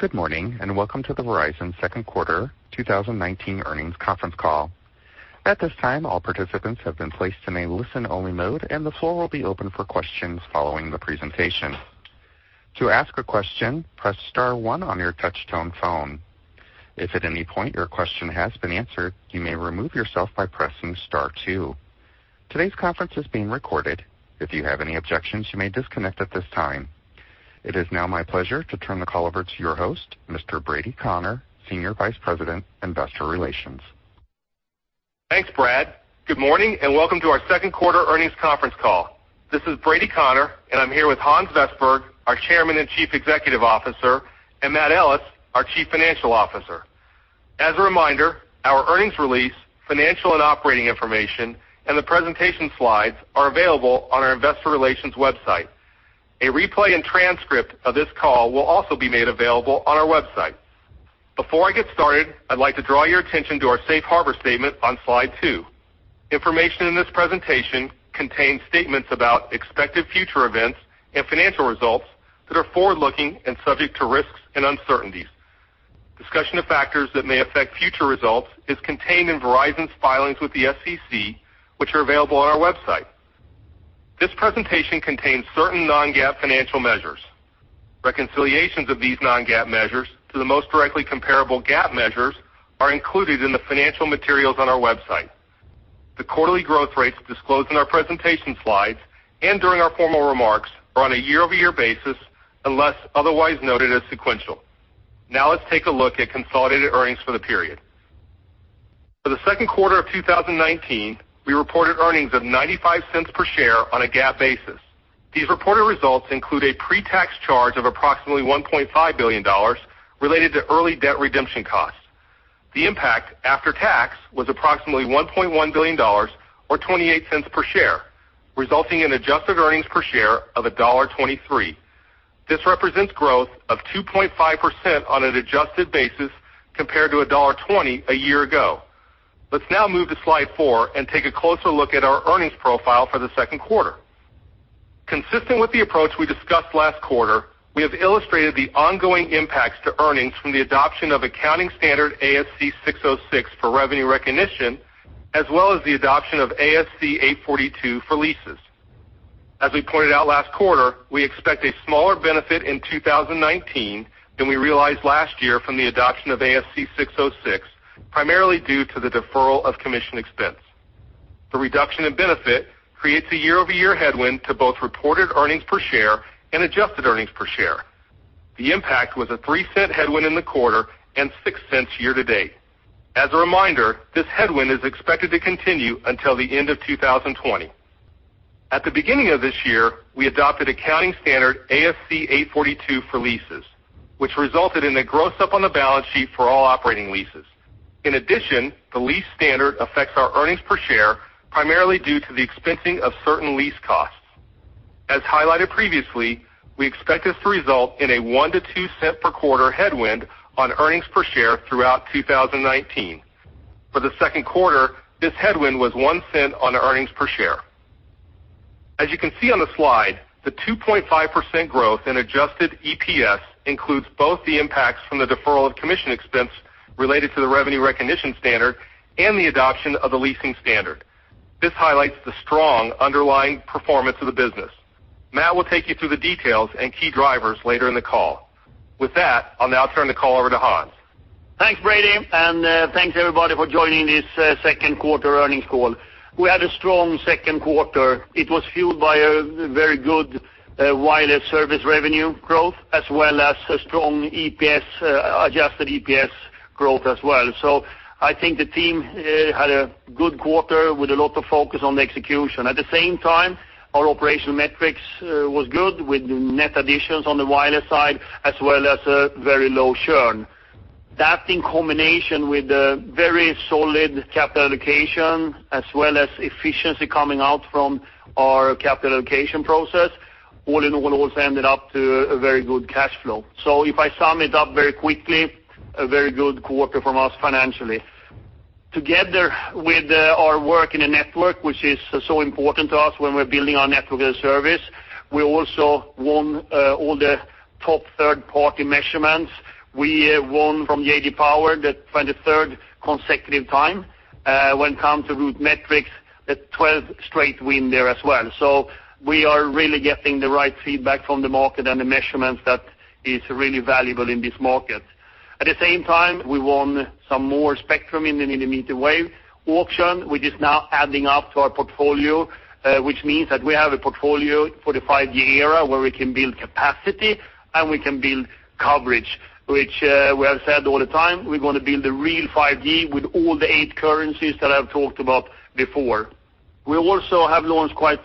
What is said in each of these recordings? Good morning, and welcome to the Verizon second quarter 2019 earnings conference call. At this time, all participants have been placed in a listen-only mode, and the floor will be open for questions following the presentation. To ask a question, press star one on your touch-tone phone. If at any point your question has been answered, you may remove yourself by pressing star two. Today's conference is being recorded. If you have any objections, you may disconnect at this time. It is now my pleasure to turn the call over to your host, Mr. Brady Connor, Senior Vice President, Investor Relations. Thanks, Brad. Good morning, welcome to our second quarter earnings conference call. This is Brady Connor, I'm here with Hans Vestberg, our Chairman and Chief Executive Officer, and Matt Ellis, our Chief Financial Officer. As a reminder, our earnings release, financial and operating information, and the presentation slides are available on our investor relations website. A replay and transcript of this call will also be made available on our website. Before I get started, I'd like to draw your attention to our safe harbor statement on slide two. Information in this presentation contains statements about expected future events and financial results that are forward-looking and subject to risks and uncertainties. Discussion of factors that may affect future results is contained in Verizon's filings with the SEC, which are available on our website. This presentation contains certain non-GAAP financial measures. Reconciliations of these non-GAAP measures to the most directly comparable GAAP measures are included in the financial materials on our website. The quarterly growth rates disclosed in our presentation slides and during our formal remarks are on a year-over-year basis, unless otherwise noted as sequential. Let's take a look at consolidated earnings for the period. For the second quarter of 2019, we reported earnings of $0.95 per share on a GAAP basis. These reported results include a pre-tax charge of approximately $1.5 billion related to early debt redemption costs. The impact after tax was approximately $1.1 billion, or $0.28 per share, resulting in adjusted earnings per share of $1.23. This represents growth of 2.5% on an adjusted basis compared to $1.20 a year ago. Let's now move to slide four and take a closer look at our earnings profile for the second quarter. Consistent with the approach we discussed last quarter, we have illustrated the ongoing impacts to earnings from the adoption of accounting standard ASC 606 for revenue recognition, as well as the adoption of ASC 842 for leases. As we pointed out last quarter, we expect a smaller benefit in 2019 than we realized last year from the adoption of ASC 606, primarily due to the deferral of commission expense. The reduction in benefit creates a year-over-year headwind to both reported earnings per share and adjusted earnings per share. The impact was a $0.03 headwind in the quarter and $0.06 year-to-date. As a reminder, this headwind is expected to continue until the end of 2020. At the beginning of this year, we adopted accounting standard ASC 842 for leases, which resulted in a gross up on the balance sheet for all operating leases. In addition, the lease standard affects our earnings per share, primarily due to the expensing of certain lease costs. As highlighted previously, we expect this to result in a $0.01-$0.02 per quarter headwind on earnings per share throughout 2019. For the second quarter, this headwind was $0.01 on earnings per share. As you can see on the slide, the 2.5% growth in adjusted EPS includes both the impacts from the deferral of commission expense related to the revenue recognition standard and the adoption of the leasing standard. This highlights the strong underlying performance of the business. Matt will take you through the details and key drivers later in the call. With that, I'll now turn the call over to Hans. Thanks, Brady, and thanks everybody for joining this second quarter earnings call. We had a strong second quarter. It was fueled by a very good wireless service revenue growth, as well as a strong EPS, adjusted EPS growth as well. I think the team had a good quarter with a lot of focus on the execution. At the same time, our operational metrics was good with net additions on the wireless side, as well as a very low churn. That in combination with the very solid capital allocation, as well as efficiency coming out from our capital allocation process, all in all, also ended up to a very good cash flow. If I sum it up very quickly, a very good quarter from us financially. Together with our work in the network, which is so important to us when we're building our network as a service, we also won all the top third-party measurements. We won from J.D. Power for the 23rd consecutive time. When it comes to RootMetrics, the 12th straight win there as well. We are really getting the right feedback from the market and the measurements that is really valuable in this market. At the same time, we won some more spectrum in the mid-wave auction, which is now adding up to our portfolio, which means that we have a portfolio for the 5G era where we can build capacity, and we can build coverage, which we have said all the time, we're going to build the real 5G with all the eight currencies that I've talked about before. We also have launched quite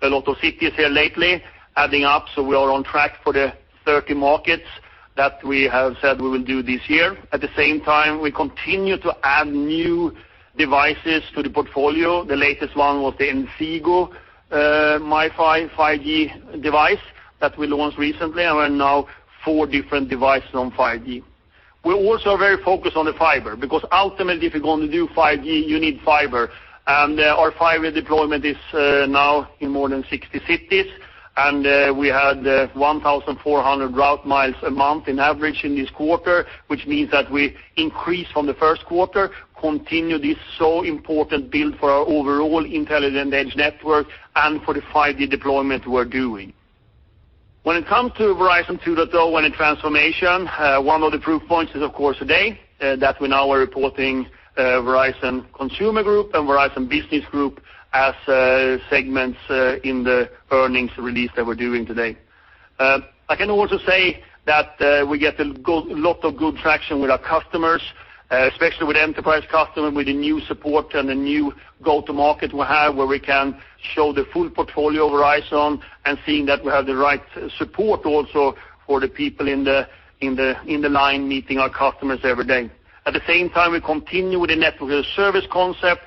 a lot of cities here lately, adding up, so we are on track for the 30 markets that we have said we will do this year. At the same time, we continue to add new devices to the portfolio. The latest one was the Inseego MiFi 5G device that we launched recently, and we now have four different devices on 5G. We're also very focused on the fiber, because ultimately, if you're going to do 5G, you need fiber. Our fiber deployment is now in more than 60 cities. We had 1,400 route miles a month in average in this quarter, which means that we increased from the first quarter, continue this so important build for our overall Intelligent Edge Network and for the 5G deployment we're doing. When it comes to Verizon 2.0 and the transformation, one of the proof points is, of course, today, that we now are reporting Verizon Consumer Group and Verizon Business Group as segments in the earnings release that we're doing today. I can also say that we get a lot of good traction with our customers, especially with enterprise customer, with the new support and the new go-to-market we have, where we can show the full portfolio of Verizon and seeing that we have the right support also for the people in the line meeting our customers every day. At the same time, we continue with the network as a service concept,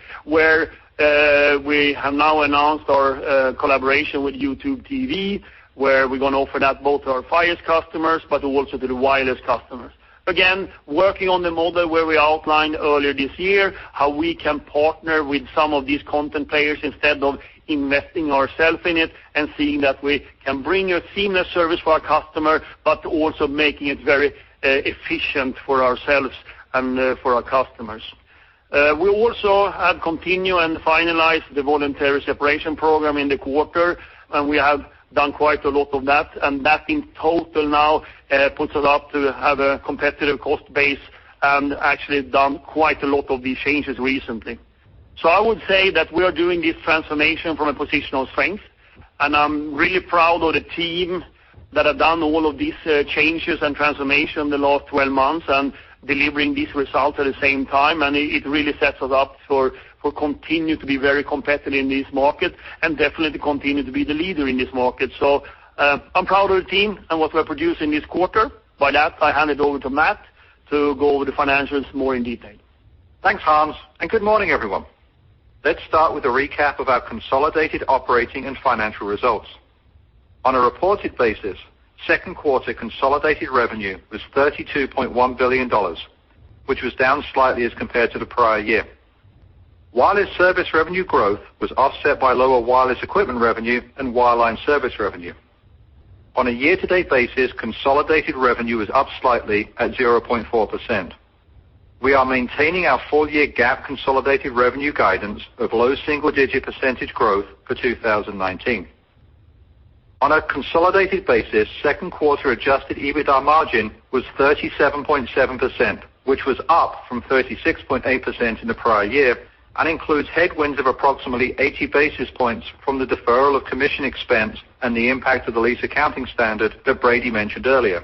where we have now announced our collaboration with YouTube TV, where we're going to offer that both to our Fios customers, but also to the wireless customers. Again, working on the model where we outlined earlier this year, how we can partner with some of these content players instead of investing ourself in it, and seeing that we can bring a seamless service for our customer, but also making it very efficient for ourselves and for our customers. We also have continued and finalized the Voluntary Separation Program in the quarter, and we have done quite a lot of that, and that in total now puts us up to have a competitive cost base and actually done quite a lot of these changes recently. I would say that we are doing this transformation from a position of strength, and I'm really proud of the team that have done all of these changes and transformation in the last 12 months and delivering these results at the same time, and it really sets us up for continue to be very competitive in this market and definitely continue to be the leader in this market. I'm proud of the team and what we're producing this quarter. By that, I hand it over to Matt to go over the financials more in detail. Thanks, Hans, and good morning, everyone. Let's start with a recap of our consolidated operating and financial results. On a reported basis, second quarter consolidated revenue was $32.1 billion, which was down slightly as compared to the prior year. Wireless service revenue growth was offset by lower wireless equipment revenue and wireline service revenue. On a year-to-date basis, consolidated revenue is up slightly at 0.4%. We are maintaining our full-year GAAP consolidated revenue guidance of low single-digit % growth for 2019. On a consolidated basis, second quarter adjusted EBITDA margin was 37.7%, which was up from 36.8% in the prior year and includes headwinds of approximately 80 basis points from the deferral of commission expense and the impact of the lease accounting standard that Brady mentioned earlier.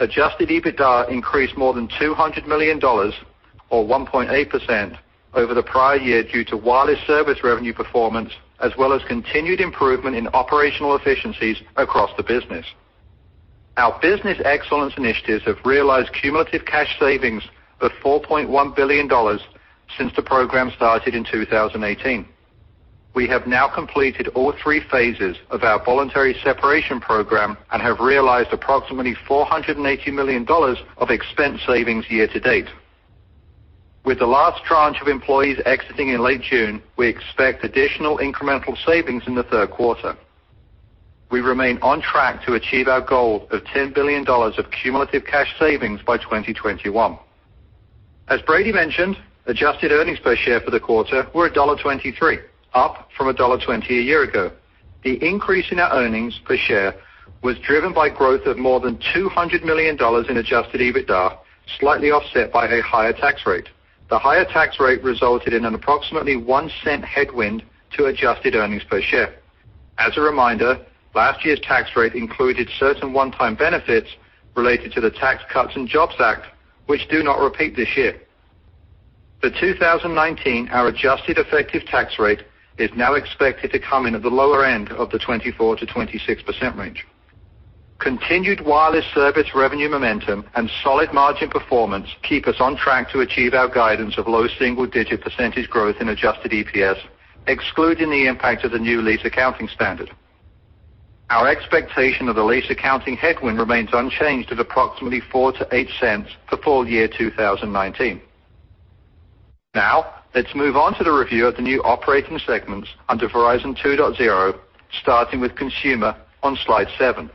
Adjusted EBITDA increased more than $200 million, or 1.8%, over the prior year due to wireless service revenue performance, as well as continued improvement in operational efficiencies across the business. Our Business Excellence Initiatives have realized cumulative cash savings of $4.1 billion since the program started in 2018. We have now completed all three phases of our Voluntary Separation Program and have realized approximately $480 million of expense savings year to date. With the last tranche of employees exiting in late June, we expect additional incremental savings in the third quarter. We remain on track to achieve our goal of $10 billion of cumulative cash savings by 2021. As Brady mentioned, adjusted earnings per share for the quarter were $1.23, up from $1.20 a year ago. The increase in our earnings per share was driven by growth of more than $200 million in adjusted EBITDA, slightly offset by a higher tax rate. The higher tax rate resulted in an approximately $0.01 headwind to adjusted earnings per share. As a reminder, last year's tax rate included certain one-time benefits related to the Tax Cuts and Jobs Act, which do not repeat this year. For 2019, our adjusted effective tax rate is now expected to come in at the lower end of the 24%-26% range. Continued wireless service revenue momentum and solid margin performance keep us on track to achieve our guidance of low single-digit percentage growth in adjusted EPS, excluding the impact of the new lease accounting standard. Our expectation of the lease accounting headwind remains unchanged at approximately $0.04-$0.08 for full year 2019. Let's move on to the review of the new operating segments under Verizon 2.0, starting with consumer on slide seven.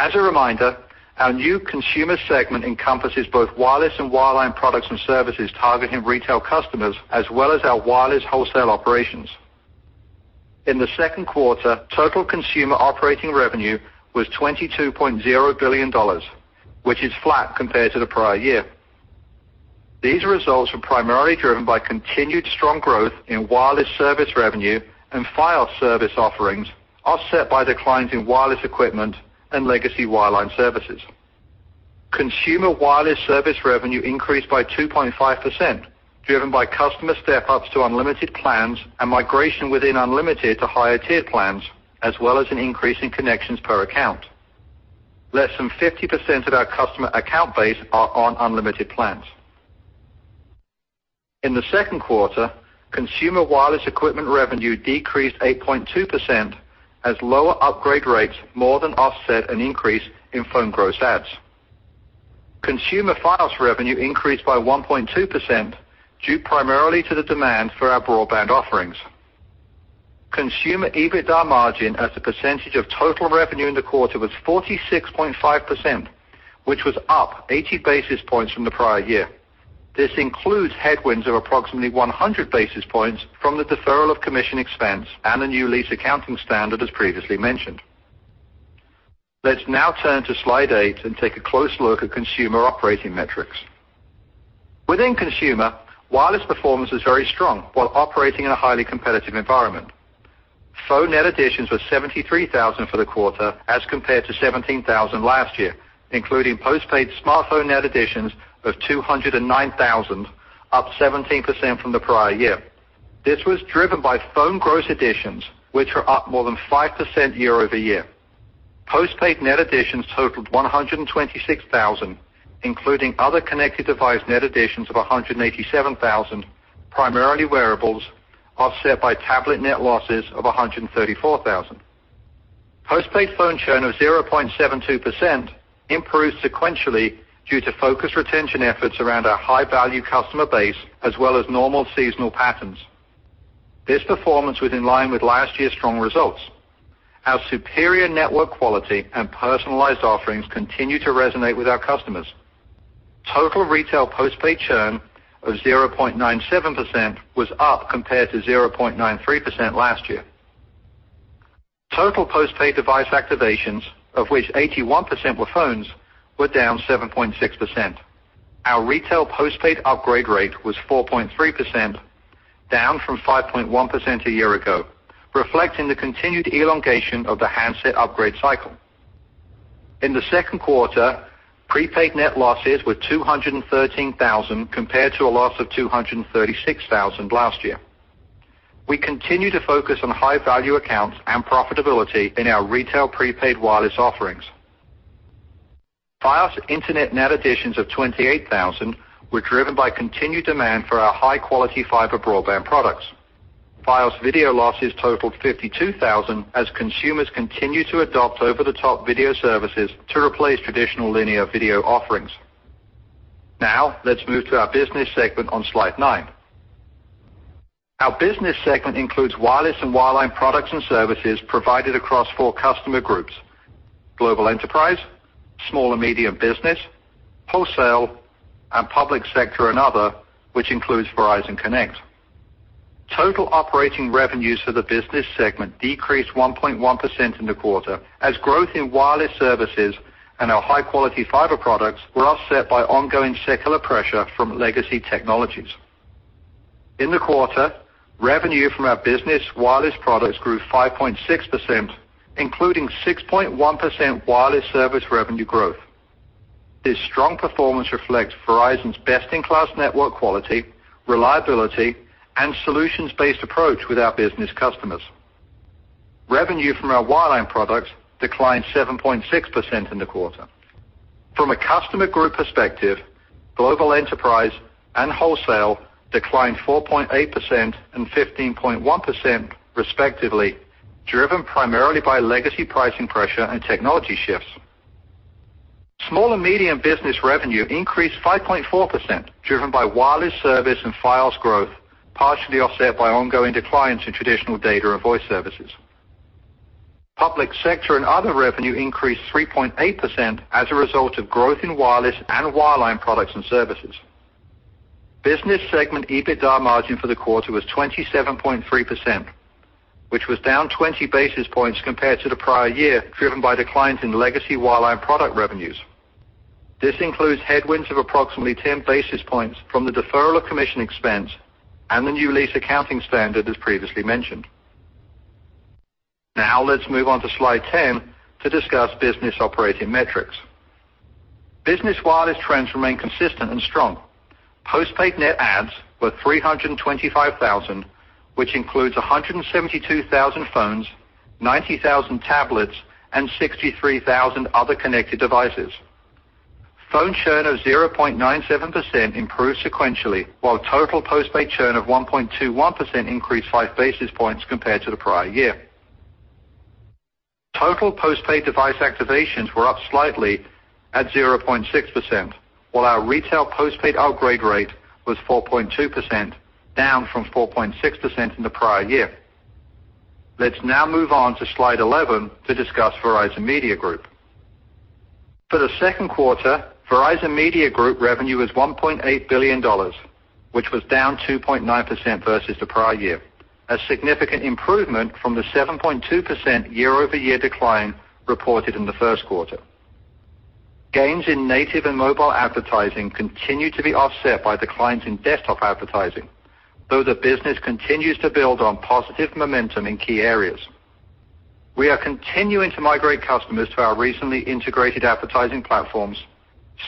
As a reminder, our new consumer segment encompasses both wireless and wireline products and services targeting retail customers, as well as our wireless wholesale operations. In the second quarter, total consumer operating revenue was $22.0 billion, which is flat compared to the prior year. These results were primarily driven by continued strong growth in wireless service revenue and Fios service offerings, offset by declines in wireless equipment and legacy wireline services. Consumer wireless service revenue increased by 2.5%, driven by customer step-ups to unlimited plans and migration within unlimited to higher tier plans, as well as an increase in connections per account. Less than 50% of our customer account base are on unlimited plans. In the second quarter, consumer wireless equipment revenue decreased 8.2% as lower upgrade rates more than offset an increase in phone gross adds. Consumer Fios revenue increased by 1.2%, due primarily to the demand for our broadband offerings. Consumer EBITDA margin as a percentage of total revenue in the quarter was 46.5%, which was up 80 basis points from the prior year. This includes headwinds of approximately 100 basis points from the deferral of commission expense and the new lease accounting standard, as previously mentioned. Let's now turn to slide eight and take a close look at consumer operating metrics. Within consumer, wireless performance was very strong while operating in a highly competitive environment. Phone net additions were 73,000 for the quarter as compared to 17,000 last year, including postpaid smartphone net additions of 209,000, up 17% from the prior year. This was driven by phone gross additions, which were up more than 5% year-over-year. Postpaid net additions totaled 126,000, including other connected device net additions of 187,000, primarily wearables, offset by tablet net losses of 134,000. Postpaid phone churn of 0.72% improved sequentially due to focused retention efforts around our high-value customer base, as well as normal seasonal patterns. This performance was in line with last year's strong results. Our superior network quality and personalized offerings continue to resonate with our customers. Total retail postpaid churn of 0.97% was up compared to 0.93% last year. Total postpaid device activations, of which 81% were phones, were down 7.6%. Our retail postpaid upgrade rate was 4.3%, down from 5.1% a year ago, reflecting the continued elongation of the handset upgrade cycle. In the second quarter, prepaid net losses were 213,000, compared to a loss of 236,000 last year. We continue to focus on high-value accounts and profitability in our retail prepaid wireless offerings. Fios Internet net additions of 28,000 were driven by continued demand for our high-quality fiber broadband products. Fios video losses totaled 52,000 as consumers continue to adopt over-the-top video services to replace traditional linear video offerings. Now, let's move to our business segment on slide nine. Our business segment includes wireless and wireline products and services provided across four customer groups: global enterprise, small and medium business, wholesale, and public sector and other, which includes Verizon Connect. Total operating revenues for the business segment decreased 1.1% in the quarter, as growth in wireless services and our high-quality fiber products were offset by ongoing secular pressure from legacy technologies. In the quarter, revenue from our business wireless products grew 5.6%, including 6.1% wireless service revenue growth. This strong performance reflects Verizon's best-in-class network quality, reliability, and solutions-based approach with our business customers. Revenue from our wireline products declined 7.6% in the quarter. From a customer group perspective, global enterprise and wholesale declined 4.8% and 15.1% respectively, driven primarily by legacy pricing pressure and technology shifts. Small and medium business revenue increased 5.4%, driven by wireless service and Fios growth, partially offset by ongoing declines in traditional data and voice services. Public sector and other revenue increased 3.8% as a result of growth in wireless and wireline products and services. Business segment EBITDA margin for the quarter was 27.3%, which was down 20 basis points compared to the prior year, driven by declines in legacy wireline product revenues. This includes headwinds of approximately 10 basis points from the deferral of commission expense and the new lease accounting standard, as previously mentioned. Let's move on to slide 10 to discuss business operating metrics. Business wireless trends remain consistent and strong. Postpaid net adds were 325,000, which includes 172,000 phones, 90,000 tablets, and 63,000 other connected devices. Phone churn of 0.97% improved sequentially, while total postpaid churn of 1.21% increased five basis points compared to the prior year. Total postpaid device activations were up slightly at 0.6%, while our retail postpaid upgrade rate was 4.2%, down from 4.6% in the prior year. Let's now move on to slide 11 to discuss Verizon Media Group. For the second quarter, Verizon Media Group revenue was $1.8 billion, which was down 2.9% versus the prior year, a significant improvement from the 7.2% year-over-year decline reported in the first quarter. Gains in native and mobile advertising continue to be offset by declines in desktop advertising, though the business continues to build on positive momentum in key areas. We are continuing to migrate customers to our recently integrated advertising platforms,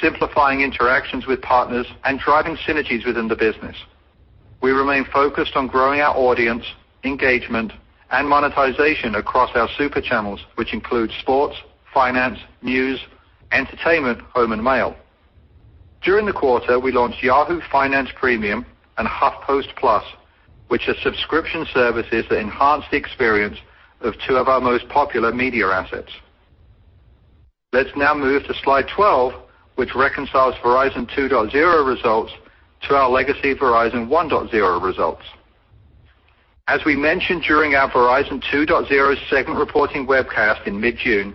simplifying interactions with partners and driving synergies within the business. We remain focused on growing our audience, engagement, and monetization across our super channels, which include sports, finance, news, entertainment, home, and mail. During the quarter, we launched Yahoo Finance Premium and HuffPost+, which are subscription services that enhance the experience of two of our most popular media assets. Let's now move to slide 12, which reconciles Verizon 2.0 results to our legacy Verizon 1.0 results. As we mentioned during our Verizon 2.0 segment reporting webcast in mid-June,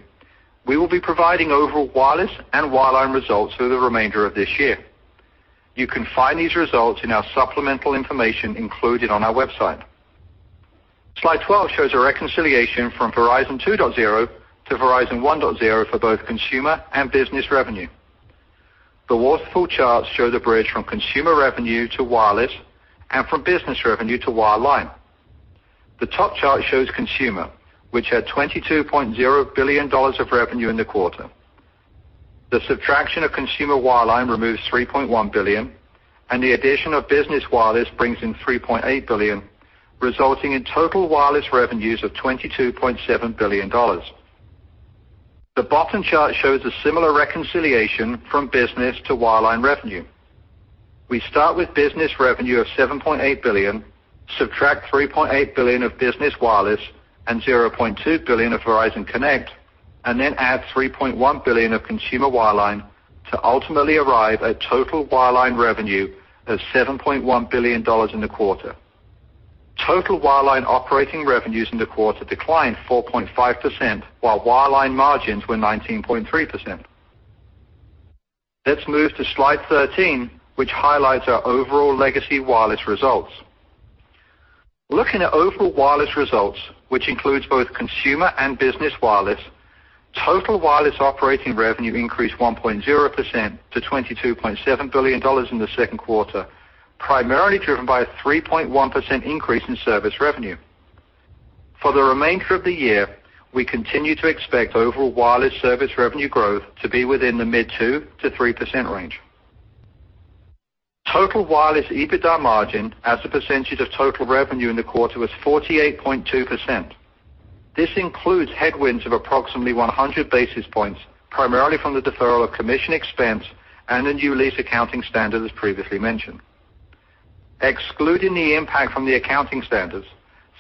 we will be providing overall wireless and wireline results for the remainder of this year. You can find these results in our supplemental information included on our website. Slide 12 shows a reconciliation from Verizon 2.0 to Verizon 1.0 for both Consumer and Business revenue. The waterfall charts show the bridge from Consumer revenue to wireless and from Business revenue to wireline. The top chart shows Consumer, which had $22.0 billion of revenue in the quarter. The subtraction of Consumer wireline removes $3.1 billion, and the addition of Business wireless brings in $3.8 billion, resulting in total wireless revenues of $22.7 billion. The bottom chart shows a similar reconciliation from Business to wireline revenue. We start with business revenue of $7.8 billion, subtract $3.8 billion of business wireless and $0.2 billion of Verizon Connect, and then add $3.1 billion of consumer wireline to ultimately arrive at total wireline revenue of $7.1 billion in the quarter. Total wireline operating revenues in the quarter declined 4.5%, while wireline margins were 19.3%. Let's move to slide 13, which highlights our overall legacy wireless results. Looking at overall wireless results, which includes both consumer and business wireless, total wireless operating revenue increased 1.0% to $22.7 billion in the second quarter, primarily driven by a 3.1% increase in service revenue. For the remainder of the year, we continue to expect overall wireless service revenue growth to be within the mid 2% to 3% range. Total wireless EBITDA margin as a percentage of total revenue in the quarter was 48.2%. This includes headwinds of approximately 100 basis points, primarily from the deferral of commission expense and the new lease accounting standard, as previously mentioned. Excluding the impact from the accounting standards,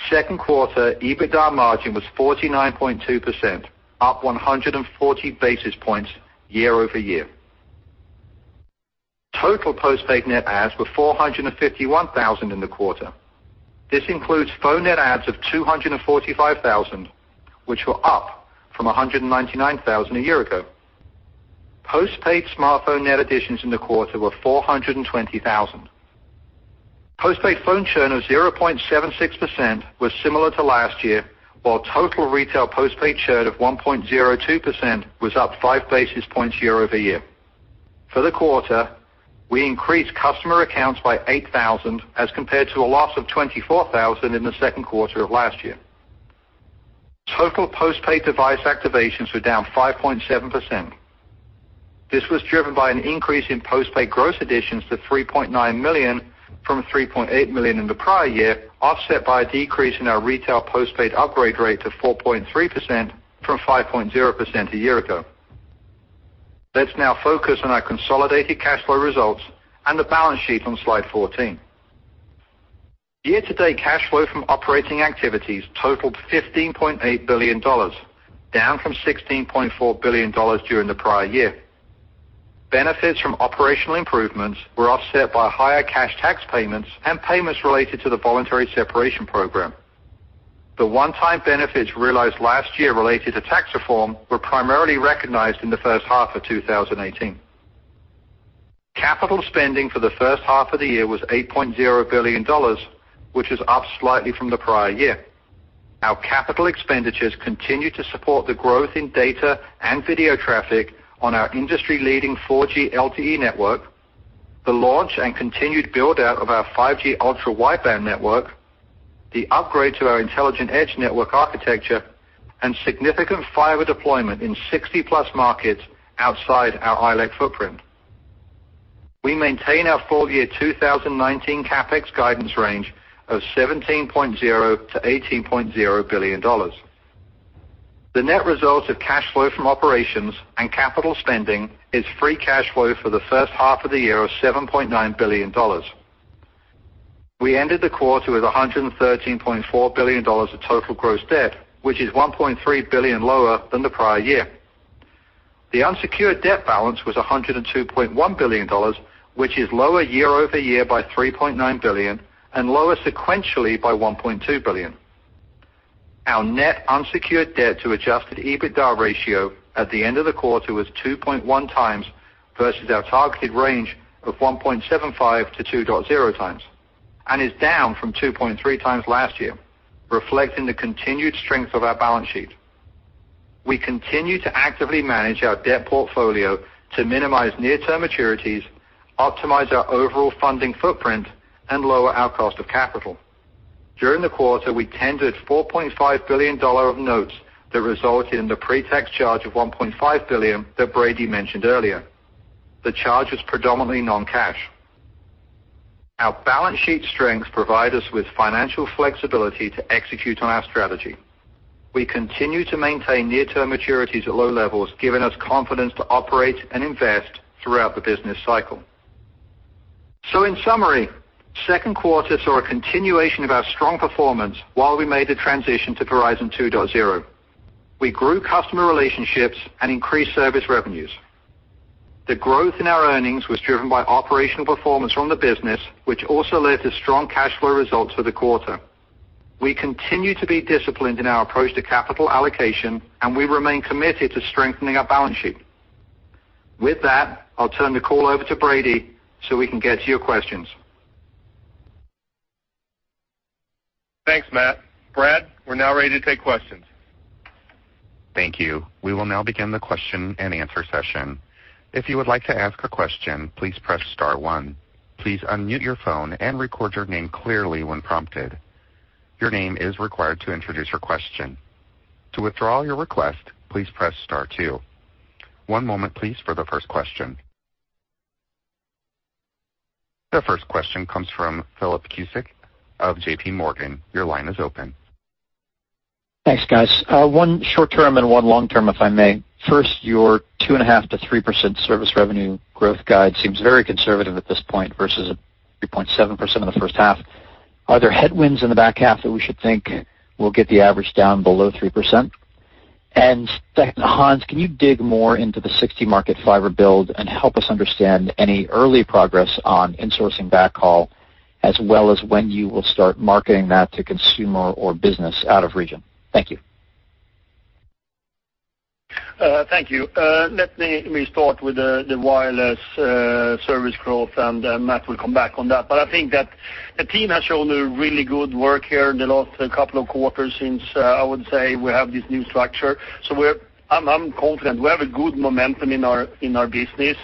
second quarter EBITDA margin was 49.2%, up 140 basis points year-over-year. Total postpaid net adds were 451,000 in the quarter. This includes phone net adds of 245,000, which were up from 199,000 a year ago. Postpaid smartphone net additions in the quarter were 420,000. Postpaid phone churn of 0.76% was similar to last year, while total retail postpaid churn of 1.02% was up five basis points year-over-year. For the quarter, we increased customer accounts by 8,000, as compared to a loss of 24,000 in the second quarter of last year. Total postpaid device activations were down 5.7%. This was driven by an increase in postpaid gross additions to $3.9 million from $3.8 million in the prior year, offset by a decrease in our retail postpaid upgrade rate to 4.3% from 5.0% a year ago. Let's now focus on our consolidated cash flow results and the balance sheet on slide 14. Year-to-date cash flow from operating activities totaled $15.8 billion, down from $16.4 billion during the prior year. Benefits from operational improvements were offset by higher cash tax payments and payments related to the voluntary separation program. The one-time benefits realized last year related to tax reform were primarily recognized in the first half of 2018. Capital spending for the first half of the year was $8.0 billion, which is up slightly from the prior year. Our capital expenditures continue to support the growth in data and video traffic on our industry-leading 4G LTE network, the launch and continued build-out of our 5G Ultra Wideband network, the upgrade to our Intelligent Edge Network architecture, and significant fiber deployment in 60-plus markets outside our ILEC footprint. We maintain our full year 2019 CapEx guidance range of $17.0 billion-$18.0 billion. The net results of cash flow from operations and capital spending is free cash flow for the first half of the year of $7.9 billion. We ended the quarter with $113.4 billion of total gross debt, which is $1.3 billion lower than the prior year. The unsecured debt balance was $102.1 billion, which is lower year-over-year by $3.9 billion and lower sequentially by $1.2 billion. Our net unsecured debt to adjusted EBITDA ratio at the end of the quarter was 2.1 times versus our targeted range of 1.75 to 2.0 times, and is down from 2.3 times last year, reflecting the continued strength of our balance sheet. We continue to actively manage our debt portfolio to minimize near-term maturities, optimize our overall funding footprint, and lower our cost of capital. During the quarter, we tendered $4.5 billion of notes that resulted in the pre-tax charge of $1.5 billion that Brady mentioned earlier. The charge was predominantly non-cash. Our balance sheet strengths provide us with financial flexibility to execute on our strategy. We continue to maintain near-term maturities at low levels, giving us confidence to operate and invest throughout the business cycle. In summary, second quarter saw a continuation of our strong performance while we made the transition to Verizon 2.0. We grew customer relationships and increased service revenues. The growth in our earnings was driven by operational performance from the business, which also led to strong cash flow results for the quarter. We continue to be disciplined in our approach to capital allocation, and we remain committed to strengthening our balance sheet. With that, I'll turn the call over to Brady so we can get to your questions. Thanks, Matt. Brad, we're now ready to take questions. Thank you. We will now begin the question and answer session. If you would like to ask a question, please press star one. Please unmute your phone and record your name clearly when prompted. Your name is required to introduce your question. To withdraw your request, please press star two. One moment please for the first question. The first question comes from Philip Cusick of J.P. Morgan. Your line is open. Thanks, guys. One short-term and one long-term, if I may. First, your 2.5%-3% service revenue growth guide seems very conservative at this point versus 3.7% in the first half. Are there headwinds in the back half that we should think will get the average down below 3%? Second, Hans, can you dig more into the 60 market fiber build and help us understand any early progress on insourcing backhaul as well as when you will start marketing that to consumer or business out of region? Thank you. Thank you. Let me start with the wireless service growth, and Matt will come back on that. I think that the team has shown really good work here in the last couple of quarters since, I would say, we have this new structure. I'm confident. We have a good momentum in our business.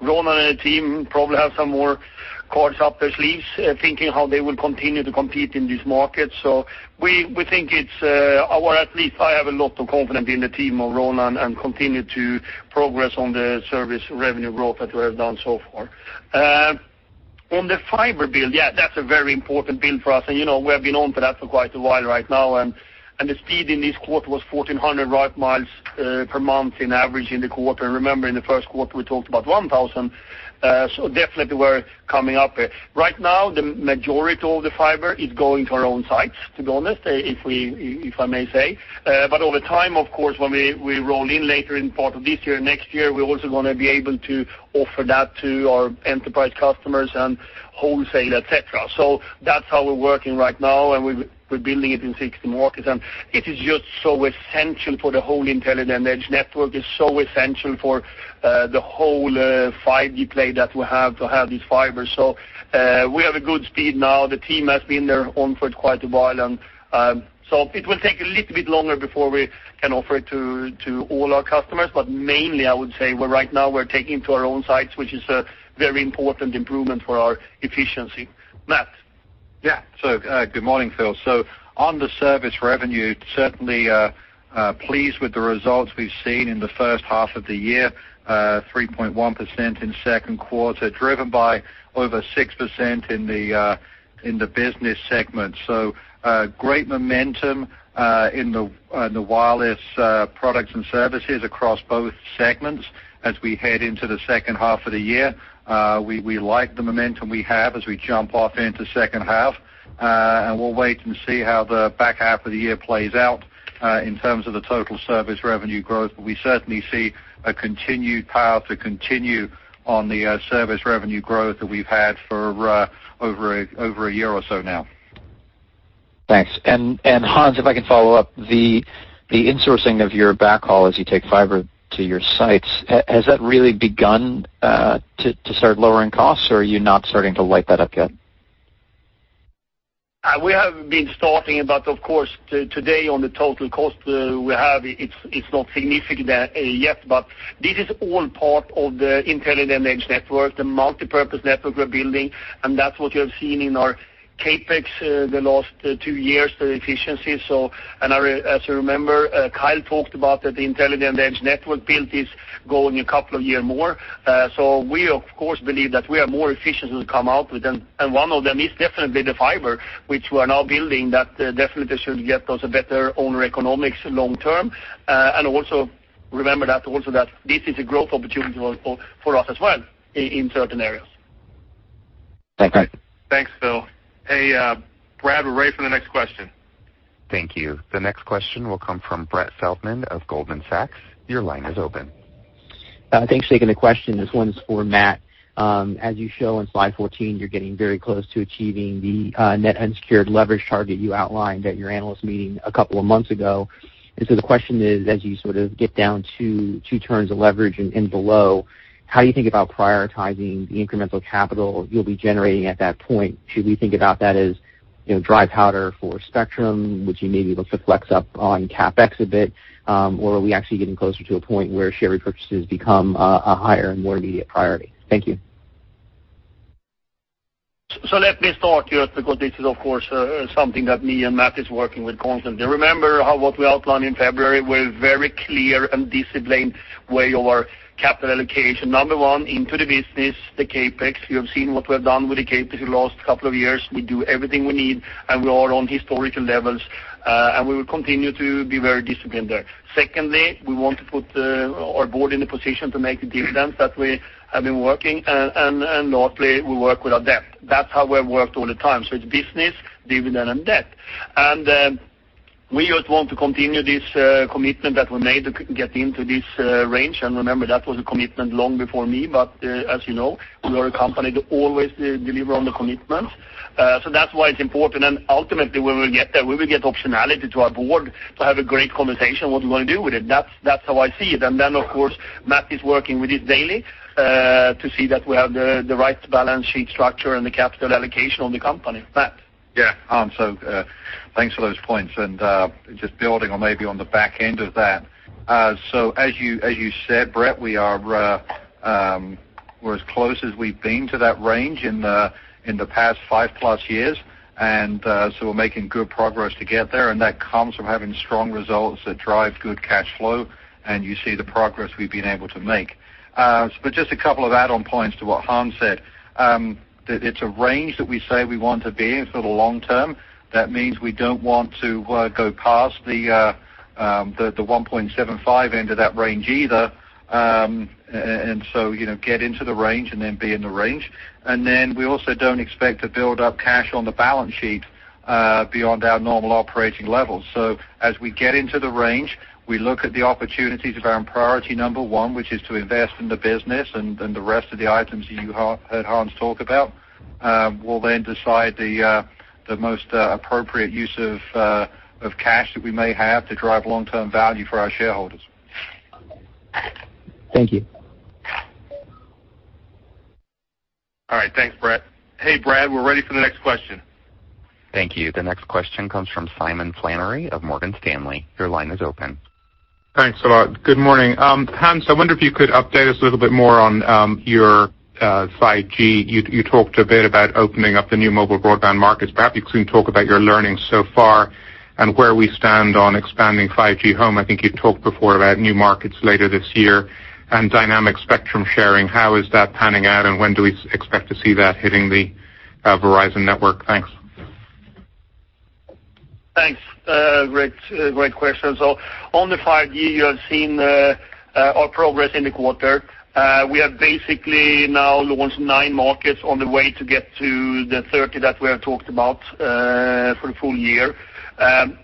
Ronan and the team probably have some more cards up their sleeves, thinking how they will continue to compete in this market. We think it's, or at least I have a lot of confidence in the team of Ronan and continue to progress on the service revenue growth that we have done so far. On the fiber build, yeah, that's a very important build for us. We have been on for that for quite a while right now, the speed in this quarter was 1,400 route miles per month in average in the quarter. Remember, in the first quarter, we talked about 1,000, definitely we're coming up. Right now, the majority of the fiber is going to our own sites, to be honest, if I may say. Over time, of course, when we roll in later in part of this year, next year, we also want to be able to offer that to our enterprise customers and wholesale, et cetera. That's how we're working right now, and we're building it in 60 markets. It is just so essential for the whole Intelligent Edge Network. It's so essential for the whole 5G play that we have to have this fiber. We have a good speed now. The team has been there on for quite a while. It will take a little bit longer before we can offer it to all our customers. Mainly, I would say right now we're taking to our own sites, which is a very important improvement for our efficiency. Matt? Good morning, Phil. On the service revenue, certainly pleased with the results we've seen in the first half of the year, 3.1% in second quarter, driven by over 6% in the business segment. Great momentum, in the wireless products and services across both segments as we head into the second half of the year. We like the momentum we have as we jump off into second half. We'll wait and see how the back half of the year plays out, in terms of the total service revenue growth. We certainly see a continued path to continue on the service revenue growth that we've had for over a year or so now. Thanks. Hans, if I can follow up, the insourcing of your backhaul as you take fiber to your sites, has that really begun to start lowering costs, or are you not starting to light that up yet? We have been starting, but of course, today on the total cost we have, it's not significant yet. This is all part of the Intelligent Edge Network, the multipurpose network we're building, and that's what you have seen in our CapEx the last two years, the efficiency. As you remember, Kyle talked about that the Intelligent Edge Network build is going a couple of year more. We of course, believe that we are more efficient to come out with them. One of them is definitely the fiber, which we're now building that definitely should get us a better owner economics long term. Also remember that also that this is a growth opportunity for us as well in certain areas. Thanks. Thanks, Phil. Hey, Brad, we're ready for the next question. Thank you. The next question will come from Brett Feldman of Goldman Sachs. Your line is open. Thanks. Taking the question. This one's for Matt. As you show on slide 14, you're getting very close to achieving the net unsecured leverage target you outlined at your analyst meeting a couple of months ago. The question is, as you sort of get down to 2 turns of leverage and below, how you think about prioritizing the incremental capital you'll be generating at that point. Should we think about that as dry powder for spectrum, would you maybe look to flex up on CapEx a bit? Are we actually getting closer to a point where share repurchases become a higher and more immediate priority? Thank you. Let me start here because this is of course something that me and Matt is working with constantly. Remember what we outlined in February with very clear and disciplined way of our capital allocation. Number one, into the business, the CapEx. You have seen what we have done with the CapEx the last couple of years. We do everything we need, and we are on historical levels, and we will continue to be very disciplined there. Secondly, we want to put our board in a position to make the dividends that we have been working. Lastly, we work with our debt. That's how we have worked all the time. It's business, dividend, and debt. We just want to continue this commitment that we made to get into this range. Remember, that was a commitment long before me, but, as you know, we are a company that always deliver on the commitments. That's why it's important. Ultimately, when we get there, we will get optionality to our board to have a great conversation what we're going to do with it. That's how I see it. Then, of course, Matt is working with it daily, to see that we have the right balance sheet structure and the capital allocation on the company. Matt? Yeah. Hans, thanks for those points, just building or maybe on the back end of that. As you said, Brett, we're as close as we've been to that range in the past five-plus years. We're making good progress to get there, and that comes from having strong results that drive good cash flow, and you see the progress we've been able to make. Just a couple of add-on points to what Hans said. It's a range that we say we want to be in for the long term. It means we don't want to go past the 1.75 end of that range either. Get into the range and then be in the range. We also don't expect to build up cash on the balance sheet, beyond our normal operating levels. As we get into the range, we look at the opportunities around priority number 1, which is to invest in the business and the rest of the items that you heard Hans talk about. We'll decide the most appropriate use of cash that we may have to drive long-term value for our shareholders. Thank you. All right. Thanks, Brett. Hey, Brady, we're ready for the next question. Thank you. The next question comes from Simon Flannery of Morgan Stanley. Your line is open. Thanks a lot. Good morning. Hans, I wonder if you could update us a little bit more on your 5G. You talked a bit about opening up the new mobile broadband markets. Perhaps you can talk about your learnings so far and where we stand on expanding 5G Home. I think you talked before about new markets later this year and dynamic spectrum sharing. How is that panning out, and when do we expect to see that hitting the Verizon network? Thanks. Thanks. Great question. On the 5G, you have seen our progress in the quarter. We have basically now launched nine markets on the way to get to the 30 that we have talked about for the full year.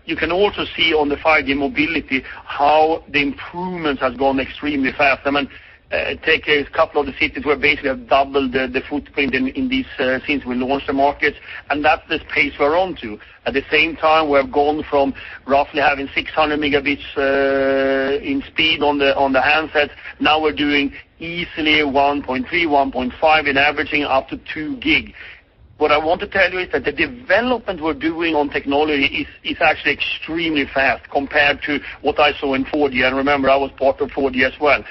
You can also see on the 5G mobility how the improvement has gone extremely fast. Take a couple of the cities where basically have doubled the footprint in these since we launched the markets. That's the pace we're on to. At the same time, we have gone from roughly having 600 megabits in speed on the handsets. Now we're doing easily 1.3, 1.5, and averaging up to 2 gig. What I want to tell you is that the development we're doing on technology is actually extremely fast compared to what I saw in 4G. Remember, I was part of 4G as well.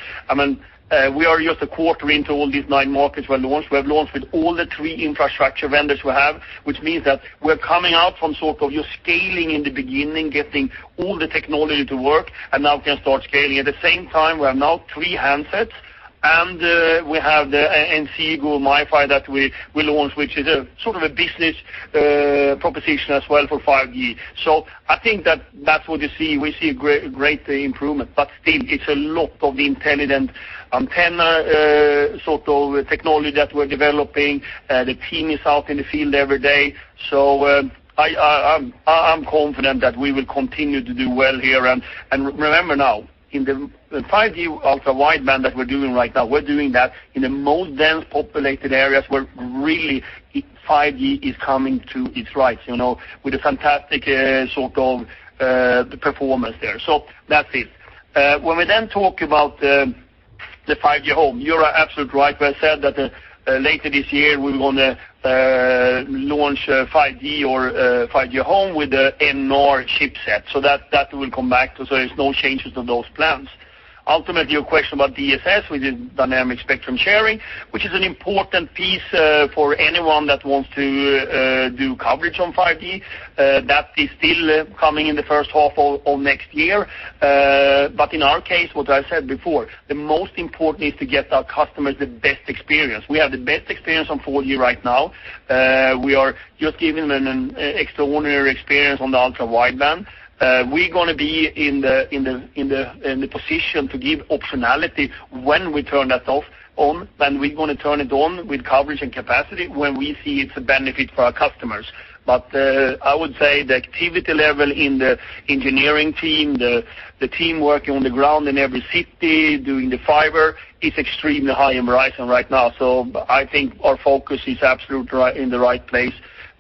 We are just a quarter into all these nine markets we have launched. We have launched with all the three infrastructure vendors we have, which means that we're coming out from sort of you're scaling in the beginning, getting all the technology to work, and now we can start scaling. At the same time, we have now three handsets, and we have the Inseego MiFi that we launched, which is a sort of a business proposition as well for 5G. I think that's what you see. We see great improvement, but still, it's a lot of the intelligent antenna sort of technology that we're developing. The team is out in the field every day. I'm confident that we will continue to do well here. Remember now, in the 5G Ultra Wideband that we're doing right now, we're doing that in the most dense populated areas where really 5G is coming to its right with a fantastic sort of performance there. That's it. When we then talk about the 5G home, you're absolutely right when I said that later this year, we want to launch 5G or 5G home with the NR chipset. That will come back, so there's no changes to those plans. Ultimately, your question about DSS with the dynamic spectrum sharing, which is an important piece for anyone that wants to do coverage on 5G. That is still coming in the first half of next year. In our case, what I said before, the most important is to get our customers the best experience. We have the best experience on 4G right now. We are just giving them an extraordinary experience on the Ultra Wideband. We're going to be in the position to give optionality when we turn that off on, then we're going to turn it on with coverage and capacity when we see it's a benefit for our customers. I would say the activity level in the engineering team, the team working on the ground in every city doing the fiber is extremely high in Verizon right now. I think our focus is absolutely in the right place,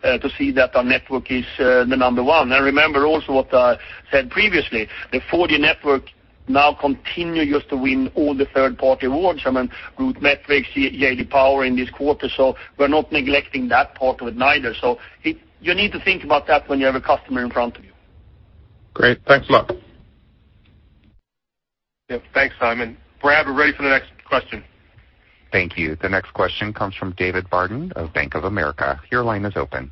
to see that our network is the number one. Now, remember also what I said previously, the 4G network now continue just to win all the third-party awards. RootMetrics, J.D. Power in this quarter, so we're not neglecting that part of it neither. You need to think about that when you have a customer in front of you. Great. Thanks a lot. Yeah. Thanks, Simon. Brad, we're ready for the next question. Thank you. The next question comes from David Barden of Bank of America. Your line is open.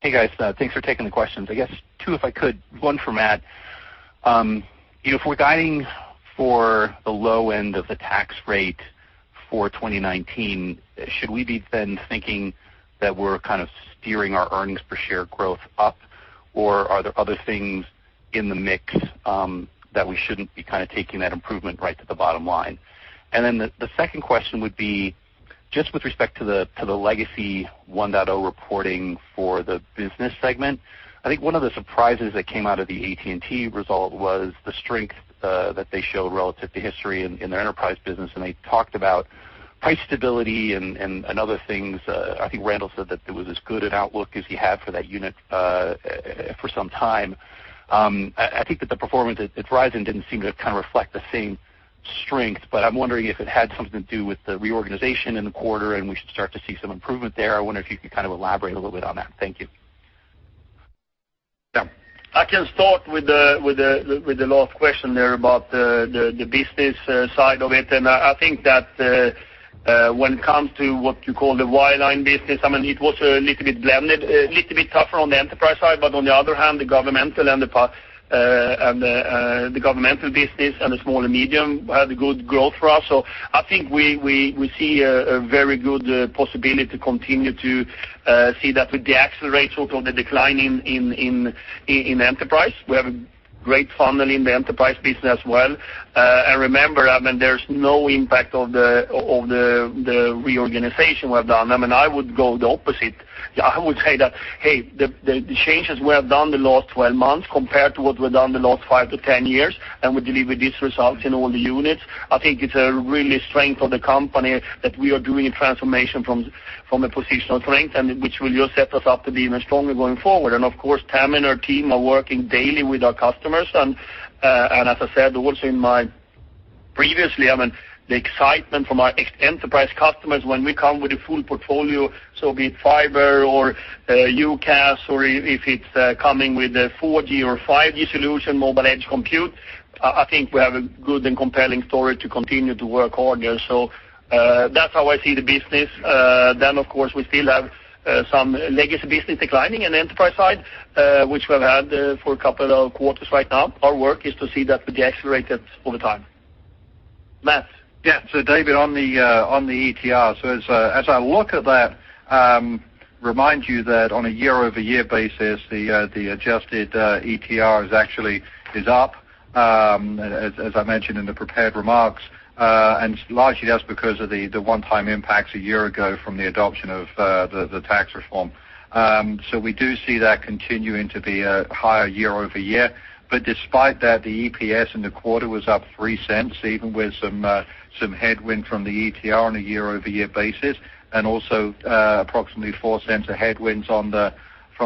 Hey, guys. Thanks for taking the questions. I guess two, if I could. One for Matt. If we're guiding for the low end of the tax rate for 2019, should we be then thinking that we're kind of steering our earnings per share growth up, or are there other things in the mix that we shouldn't be taking that improvement right to the bottom line? The second question would be just with respect to the legacy Verizon 1.0 reporting for the business segment. I think one of the surprises that came out of the AT&T result was the strength that they showed relative to history in their enterprise business, and they talked about price stability and other things. I think Randall said that it was as good an outlook as he had for that unit for some time. I think that the performance at Verizon didn't seem to kind of reflect the same strength, but I'm wondering if it had something to do with the reorganization in the quarter, and we should start to see some improvement there. I wonder if you could kind of elaborate a little bit on that? Thank you. Yeah. I can start with the last question there about the business side of it. I think that when it comes to what you call the wireline business, it was a little bit blended, a little bit tougher on the enterprise side, but on the other hand, the governmental business and the small and medium had a good growth for us. I think we see a very good possibility to continue to see that we deaccelerate sort of the decline in enterprise. We have a great funnel in the enterprise business as well. Remember, there's no impact of the reorganization we have done. I would go the opposite. I would say that, hey, the changes we have done the last 12 months compared to what we've done the last five to 10 years, and we deliver these results in all the units. I think it's a real strength of the company that we are doing a transformation from a position of strength, which will just set us up to be even stronger going forward. Of course, Tami and her team are working daily with our customers. As I said also previously, the excitement from our enterprise customers when we come with a full portfolio, so be it fiber or UCaaS, or if it's coming with a 4G or 5G solution, mobile edge computing, I think we have a good and compelling story to continue to work on there. That's how I see the business. Of course, we still have some legacy business declining in the enterprise side, which we've had for a couple of quarters right now. Our work is to see that we deaccelerate that over time. Matt? David, on the ETR. As I look at that, remind you that on a year-over-year basis, the adjusted ETR is actually up, as I mentioned in the prepared remarks. Largely that's because of the one-time impacts a year ago from the adoption of the tax reform. We do see that continuing to be higher year-over-year. Despite that, the EPS in the quarter was up $0.03, even with some headwind from the ETR on a year-over-year basis, and also approximately $0.04 of headwinds from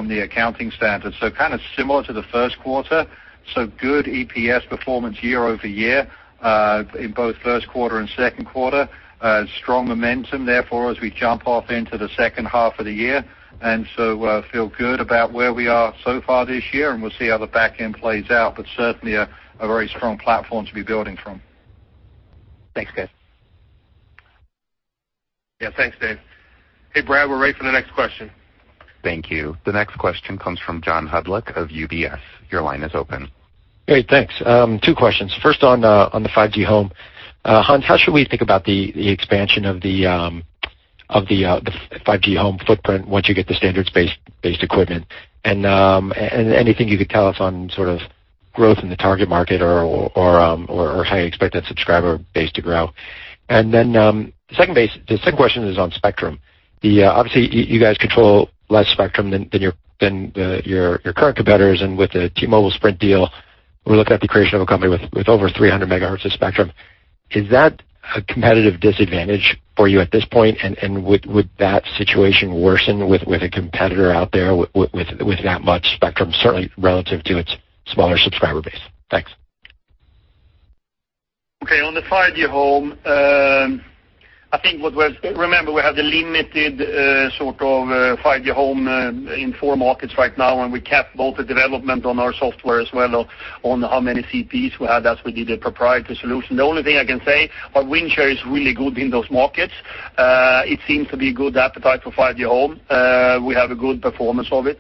the accounting standards. Kind of similar to the first quarter, good EPS performance year-over-year, in both first quarter and second quarter. Strong momentum, therefore, as we jump off into the second half of the year. feel good about where we are so far this year, and we'll see how the back end plays out, but certainly a very strong platform to be building from. Thanks, guys. Yeah. Thanks, Dave. Hey, Brad, we're ready for the next question. Thank you. The next question comes from John Hodulik of UBS. Your line is open. Hey, thanks. Two questions. First on the 5G Home. Hans, how should we think about the expansion of the 5G Home footprint once you get the standards-based equipment? Anything you could tell us on sort of growth in the target market or how you expect that subscriber base to grow? The second question is on spectrum. Obviously, you guys control less spectrum than your current competitors, and with the T-Mobile-Sprint deal, we're looking at the creation of a company with over 300 megahertz of spectrum. Is that a competitive disadvantage for you at this point? Would that situation worsen with a competitor out there with that much spectrum, certainly relative to its smaller subscriber base? Thanks. Okay. On the 5G home, remember we have the limited sort of 5G home in four markets right now. We kept both the development on our software as well on how many CPs we had as we did a proprietary solution. The only thing I can say, our win share is really good in those markets. It seems to be good appetite for 5G home. We have a good performance of it.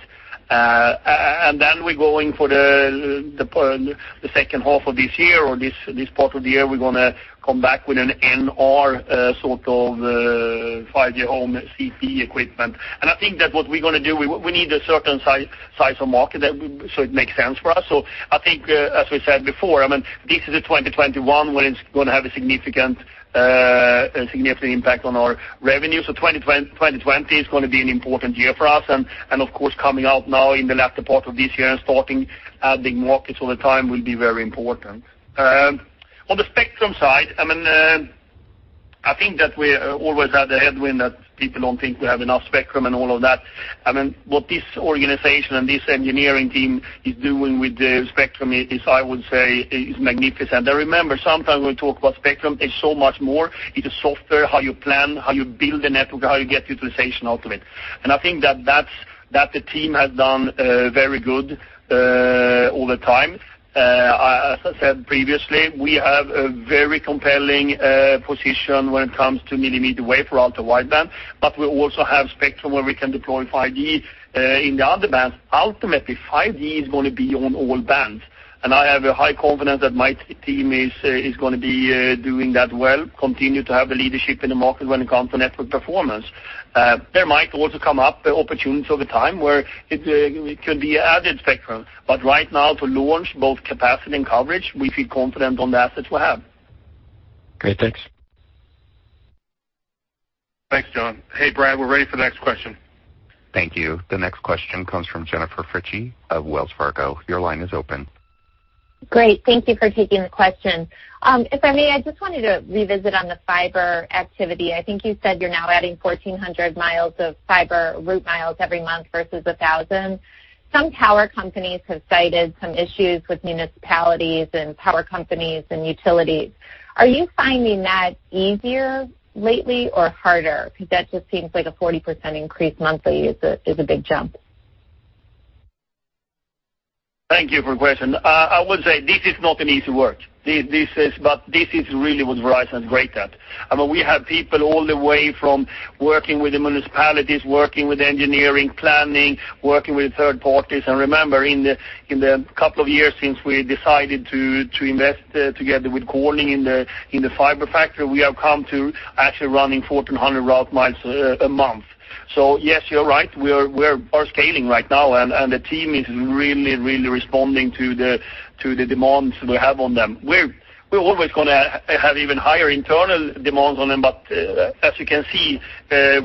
We're going for the second half of this year or this part of the year, we're going to come back with an NR sort of 5G home CPE equipment. I think that what we're going to do, we need a certain size of market so it makes sense for us. I think, as we said before, this is a 2021 when it's going to have a significant impact on our revenue. 2020 is going to be an important year for us and, of course, coming out now in the latter part of this year and starting adding markets all the time will be very important. On the spectrum side, I think that we always had the headwind that people don't think we have enough spectrum and all of that. What this organization and this engineering team is doing with the spectrum is, I would say, is magnificent. Now remember, sometimes we talk about spectrum. It's so much more. It's a software, how you plan, how you build a network, how you get utilization out of it. I think that the team has done very good all the time. As I said previously, we have a very compelling position when it comes to millimeter wave for Ultra Wideband, but we also have spectrum where we can deploy 5G in the other bands. Ultimately, 5G is going to be on all bands, and I have a high confidence that my team is going to be doing that well, continue to have the leadership in the market when it comes to network performance. There might also come up opportunities over time where it could be added spectrum. Right now to launch both capacity and coverage, we feel confident on the assets we have. Great. Thanks. Thanks, John. Hey, Brad, we're ready for the next question. Thank you. The next question comes from Jennifer Fritzsche of Wells Fargo. Your line is open. Great. Thank you for taking the question. If I may, I just wanted to revisit on the fiber activity. I think you said you're now adding 1,400 miles of fiber route miles every month versus 1,000. Some power companies have cited some issues with municipalities and power companies and utilities. Are you finding that easier lately or harder? That just seems like a 40% increase monthly is a big jump. Thank you for the question. I would say this is not an easy work. This is really what Verizon's great at. We have people all the way from working with the municipalities, working with engineering, planning, working with third parties. Remember, in the couple of years since we decided to invest together with Corning in the fiber factory, we have come to actually running 1,400 route miles a month. Yes, you're right. We are scaling right now, and the team is really responding to the demands we have on them. We're always going to have even higher internal demands on them, but as you can see,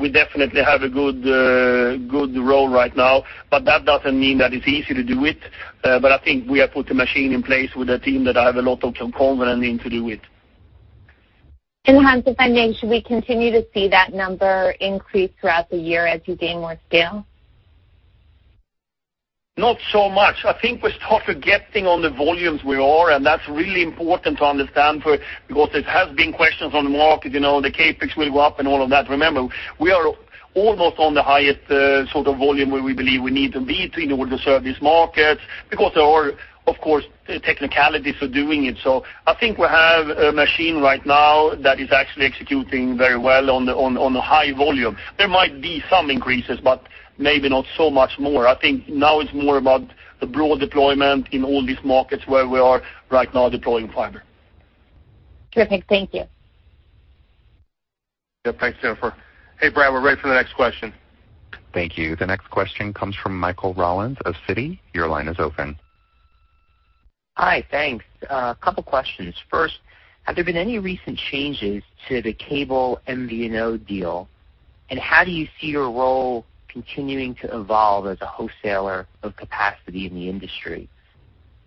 we definitely have a good roll right now. That doesn't mean that it's easy to do it. I think we have put a machine in place with a team that I have a lot of confidence in to do it. In terms of funding, should we continue to see that number increase throughout the year as you gain more scale? Not so much. I think we're sort of getting on the volumes we are, and that's really important to understand because it has been questions on the market, the CapEx will go up and all of that. Remember, we are almost on the highest sort of volume where we believe we need to be in order to serve these markets because there are, of course, technicalities for doing it. I think we have a machine right now that is actually executing very well on a high volume. There might be some increases, but maybe not so much more. I think now it's more about the broad deployment in all these markets where we are right now deploying fiber. Terrific. Thank you. Yeah. Thanks, Jennifer. Hey, Brad, we're ready for the next question. Thank you. The next question comes from Michael Rollins of Citi. Your line is open. Hi, thanks. A couple questions. First, have there been any recent changes to the Cable MVNO deal? How do you see your role continuing to evolve as a wholesaler of capacity in the industry?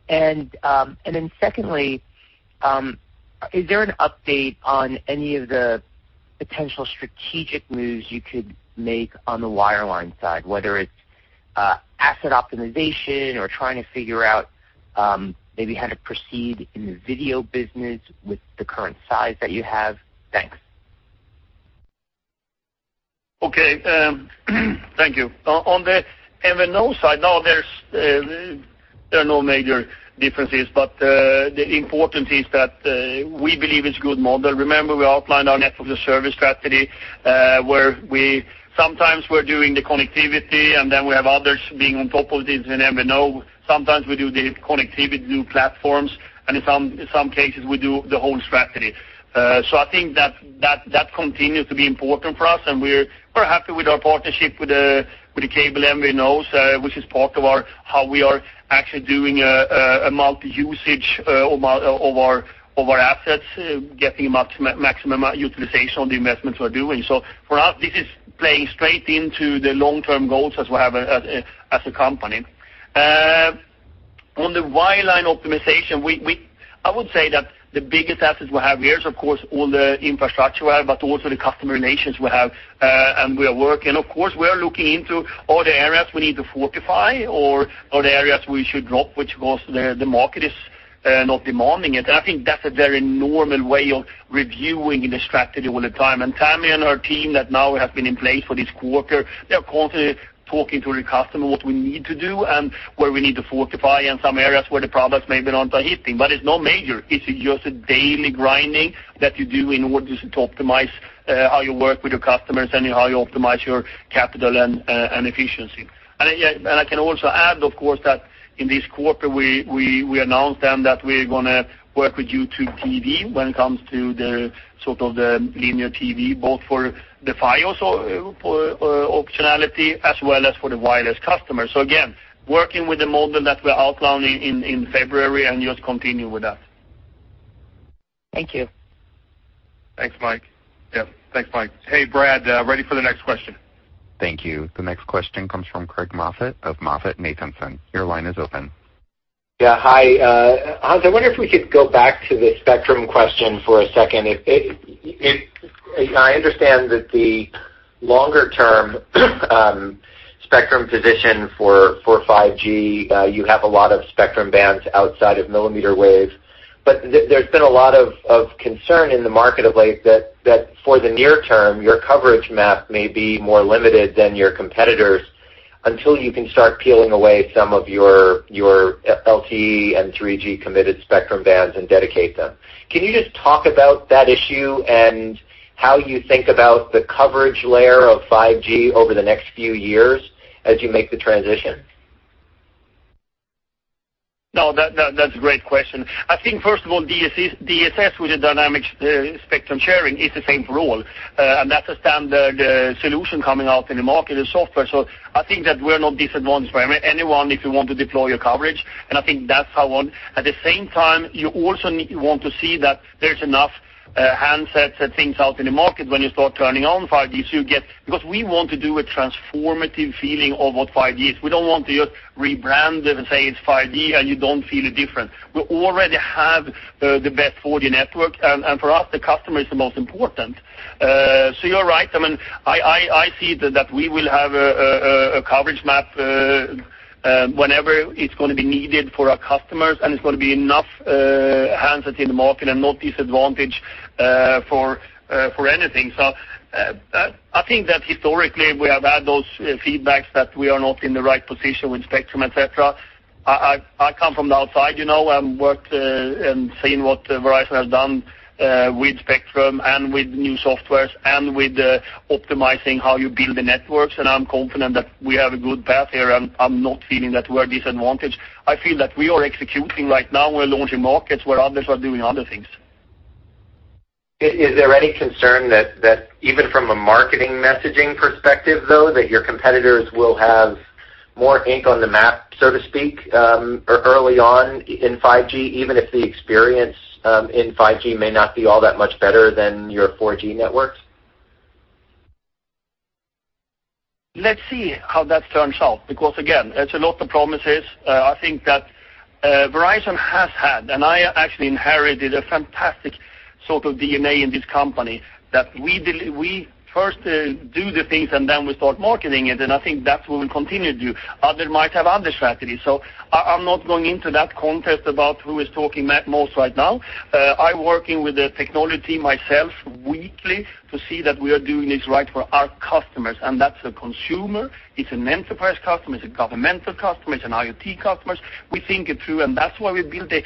Secondly, is there an update on any of the potential strategic moves you could make on the wireline side, whether it's asset optimization or trying to figure out maybe how to proceed in the video business with the current size that you have? Thanks. Okay. Thank you. On the MVNO side, no, there are no major differences, but the important is that we believe it's a good model. Remember, we outlined our net for the service strategy, where we sometimes we're doing the connectivity, and then we have others being on top of this in MVNO. Sometimes we do the connectivity, do platforms, and in some cases, we do the whole strategy. I think that continues to be important for us, and we're happy with our partnership with the Cable MVNOs, which is part of how we are actually doing a multi-usage of our assets, getting maximum utilization on the investments we're doing. For us, this is playing straight into the long-term goals as we have as a company. On the wireline optimization, I would say that the biggest assets we have here is, of course, all the infrastructure, but also the customer relations we have, and we are working. Of course, we are looking into all the areas we need to fortify or the areas we should drop, which, of course, the market is not demanding it. I think that's a very normal way of reviewing the strategy all the time. Tami and her team that now have been in place for this quarter, they're constantly talking to the customer what we need to do and where we need to fortify, and some areas where the products may be not hitting. It's not major. It's just a daily grinding that you do in order to optimize how you work with your customers and how you optimize your capital and efficiency. I can also add, of course, that in this quarter, we announced then that we're going to work with YouTube TV when it comes to the linear TV, both for the Fios optionality as well as for the wireless customer. Again, working with the model that we're outlining in February and just continue with that. Thank you. Thanks, Mike. Yep. Thanks, Brad, ready for the next question. Thank you. The next question comes from Craig Moffett of MoffettNathanson. Your line is open. Yeah. Hi, Hans, I wonder if we could go back to the spectrum question for a second. I understand that the longer-term spectrum position for 5G, you have a lot of spectrum bands outside of millimeter wave. There's been a lot of concern in the market of late that for the near term, your coverage map may be more limited than your competitors. Until you can start peeling away some of your LTE and 3G committed spectrum bands and dedicate them, can you just talk about that issue and how you think about the coverage layer of 5G over the next few years as you make the transition? No, that's a great question. I think first of all, DSS with the dynamic spectrum sharing is the same for all. That's a standard solution coming out in the market as software. I think that we're not disadvantaged by anyone if you want to deploy your coverage. I think that's how. At the same time, you also want to see that there's enough handsets and things out in the market when you start turning on 5G, because we want to do a transformative feeling of what 5G is. We don't want to just rebrand it and say it's 5G, and you don't feel a difference. We already have the best 4G network. For us, the customer is the most important. You're right. I see that we will have a coverage map whenever it's going to be needed for our customers, and it's going to be enough handset in the market and not disadvantage for anything. I think that historically, we have had those feedbacks that we are not in the right position with spectrum, et cetera. I come from the outside, and worked and seen what Verizon has done with spectrum and with new softwares and with optimizing how you build the networks, and I'm confident that we have a good path here. I'm not feeling that we are disadvantaged. I feel that we are executing right now. We're launching markets where others are doing other things. Is there any concern that even from a marketing messaging perspective, though, that your competitors will have more ink on the map, so to speak, early on in 5G, even if the experience in 5G may not be all that much better than your 4G networks? Let's see how that turns out, because again, there's a lot of promises. I think that Verizon has had, and I actually inherited a fantastic sort of DNA in this company that we first do the things, and then we start marketing it, and I think that's what we'll continue to do. Others might have other strategies. I'm not going into that contest about who is talking most right now. I'm working with the technology myself weekly to see that we are doing this right for our customers, and that's a consumer, it's an enterprise customer, it's a governmental customer, it's an IoT customers. We think it through, and that's why we built the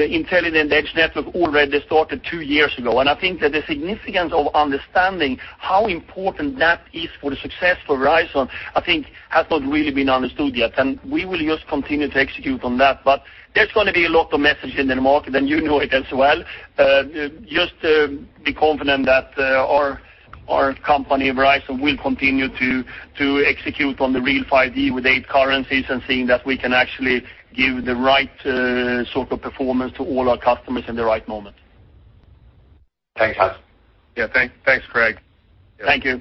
Intelligent Edge Network already started two years ago. I think that the significance of understanding how important that is for the success for Verizon, I think, has not really been understood yet. We will just continue to execute on that. There's going to be a lot of messaging in the market, and you know it as well. Just be confident that our company, Verizon, will continue to execute on the real 5G with mmWave and seeing that we can actually give the right sort of performance to all our customers in the right moment. Thanks, Hans. Yeah. Thanks, Craig. Thank you.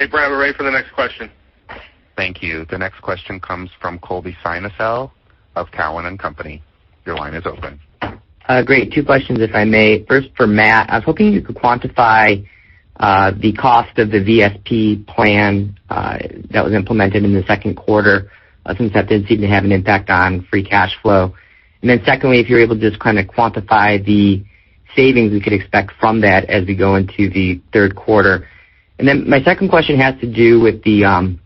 Operator, for the next question. Thank you. The next question comes from Colby Synesael of Cowen and Company. Your line is open. Great. Two questions, if I may. First, for Matt, I was hoping you could quantify the cost of the VSP plan that was implemented in the second quarter, since that did seem to have an impact on free cash flow. Secondly, if you're able to just kind of quantify the savings we could expect from that as we go into the third quarter. My second question has to do with the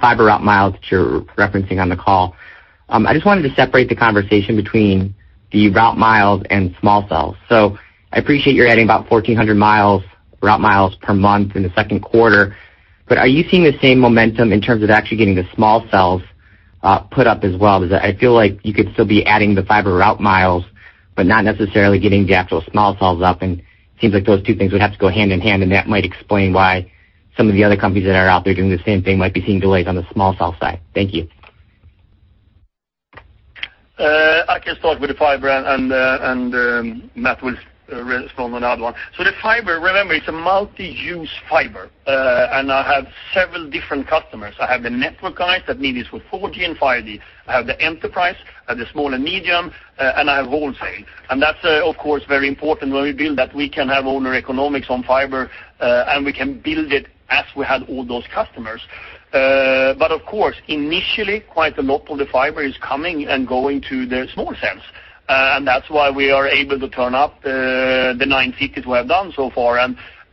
fiber route miles that you're referencing on the call. I just wanted to separate the conversation between the route miles and small cells. I appreciate you're adding about 1,400 route miles per month in the second quarter, are you seeing the same momentum in terms of actually getting the small cells put up as well? I feel like you could still be adding the fiber route miles, but not necessarily getting the actual small cells up, and seems like those two things would have to go hand in hand, and that might explain why some of the other companies that are out there doing the same thing might be seeing delays on the small cell side. Thank you. I can start with the fiber, and Matt will respond on the other one. The fiber, remember, it's a multi-use fiber. I have several different customers. I have the network guys that need it for 4G and 5G. I have the enterprise, I have the small and medium, and I have wholesale. That's, of course, very important when we build that we can have owner economics on fiber, and we can build it as we had all those customers. Of course, initially, quite a lot of the fiber is coming and going to the small cells. That's why we are able to turn up the nine cities we have done so far.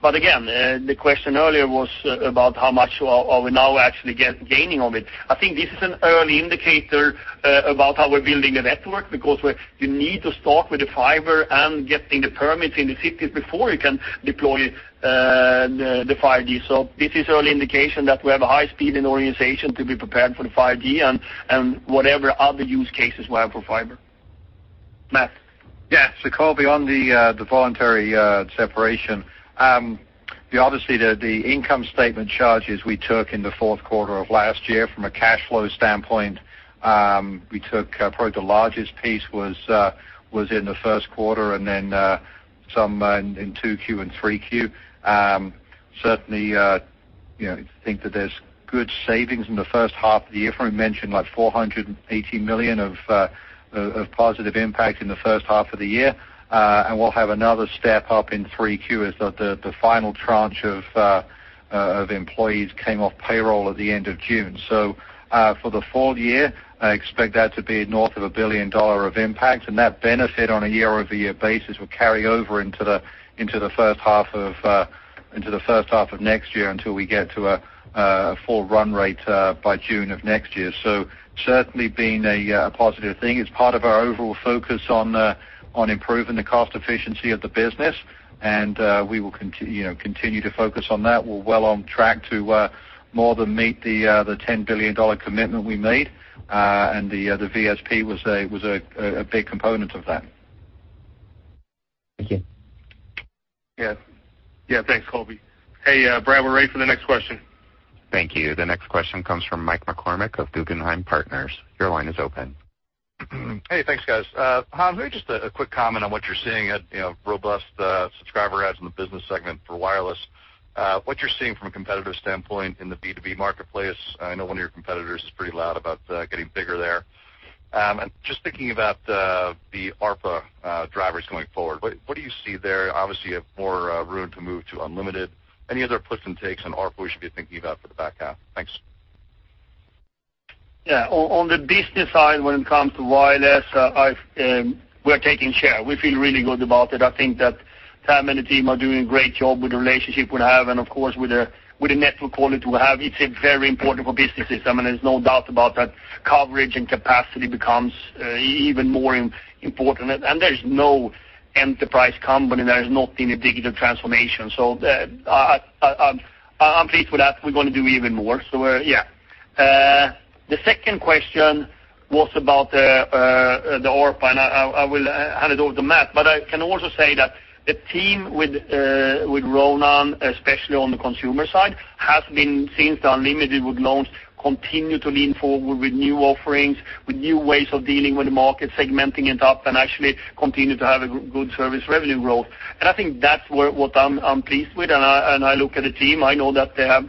Again, the question earlier was about how much are we now actually gaining on it. I think this is an early indicator about how we're building a network, because you need to start with the fiber and getting the permits in the cities before you can deploy the 5G. This is early indication that we have a high speed in organization to be prepared for the 5G and whatever other use cases we have for fiber. Matt. Yeah. Colby, on the voluntary separation, obviously, the income statement charges we took in the fourth quarter of last year from a cash flow standpoint, probably the largest piece was in the first quarter and then some in 2Q and 3Q. Certainly, think that there's good savings in the first half of the year. If I mentioned, like, $480 million of positive impact in the first half of the year, and we'll have another step up in 3Q as the final tranche of employees came off payroll at the end of June. For the full year, I expect that to be north of a $1 billion of impact, and that benefit on a year-over-year basis will carry over into the first half of next year until we get to a full run rate by June of next year. Certainly been a positive thing. It's part of our overall focus on improving the cost efficiency of the business, and we will continue to focus on that. We're well on track to more than meet the $10 billion commitment we made, and the VSP was a big component of that. Thank you. Yeah. Thanks, Colby. Hey, Brad, we're ready for the next question. Thank you. The next question comes from Michael McCormack of Guggenheim Partners. Your line is open. Hey, thanks, guys. Hans, maybe just a quick comment on what you're seeing at robust subscriber adds in the business segment for wireless. What you're seeing from a competitive standpoint in the B2B marketplace, I know one of your competitors is pretty loud about getting bigger there. Just thinking about the ARPA drivers going forward, what do you see there? Obviously, you have more room to move to unlimited. Any other puts and takes on ARPA we should be thinking about for the back half? Thanks. Yeah. On the business side, when it comes to wireless, we're taking share. We feel really good about it. I think that Tami and the team are doing a great job with the relationship we have, and of course, with the network quality we have, it's very important for businesses. There's no doubt about that. Coverage and capacity becomes even more important. There is no enterprise company that has not been a digital transformation. I'm pleased with that. We're going to do even more. Yeah. The second question was about the ARPA, and I will hand it over to Matt, but I can also say that the team with Ronan, especially on the consumer side, has been, since the unlimited was launched, continue to lean forward with new offerings, with new ways of dealing with the market, segmenting it up, and actually continue to have a good service revenue growth. I think that's what I'm pleased with, and I look at the team, I know that they have